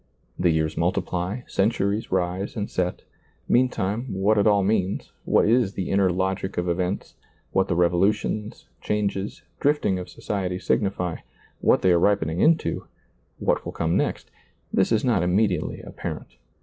The years multiply, centuries rise and set ; meantime, what it all means, what is the inner logic of events, what the revolutions, changes, drifting of society signify — what they are ripening into; what will come next; this is not immediately apparent.